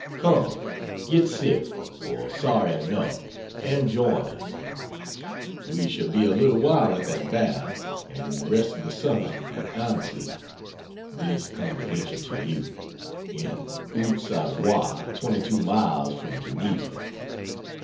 Come, get "sick or sorry enough" and join us. We shall be a little while at that bath, and the rest of the summer at Annecy (this confidential to you) in Haute Savoie, 22 miles from Geneva.